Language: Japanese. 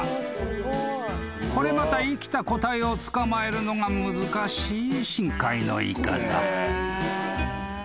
［これまた生きた個体を捕まえるのが難しい深海のイカだ］